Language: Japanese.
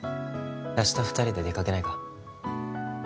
明日２人で出かけないか？